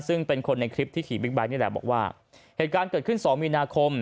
ซึ่งเป็นคนในคลิปที่ขี่บิ๊กไบท์นี่แหละบอกว่าเหตุการณ์เกิดขึ้นสองมีนาคม